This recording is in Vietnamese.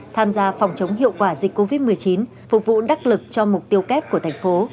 tham gia phòng chống hiệu quả dịch covid một mươi chín phục vụ đắc lực cho mục tiêu kép của thành phố